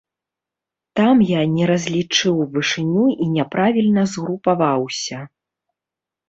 Там я не разлічыў вышыню і няправільна згрупаваўся.